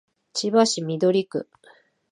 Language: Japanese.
千葉市緑区